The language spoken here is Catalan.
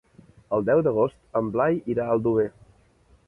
El deu d'agost en Blai irà a Aldover.